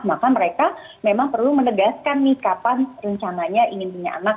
maka mereka memang perlu menegaskan nih kapan rencananya ingin punya anak